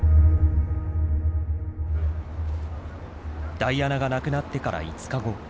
ダイアナが亡くなってから５日後。